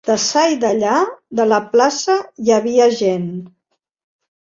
Deçà i dellà de la plaça hi havia gent.